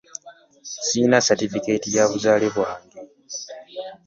Sirina satifikeeti ya buzaale bwange.